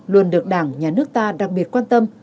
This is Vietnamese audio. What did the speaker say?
luôn được đảng nhà nước ta đặc biệt quan tâm